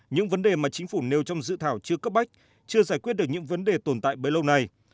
những vấn đề mà chính phủ nêu trong dự thảo chưa cấp bách chưa giải quyết được những vấn đề tồn tại bấy lâu nay